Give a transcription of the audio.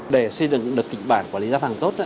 để xây dựng được kịch bản quản lý giá vàng tốt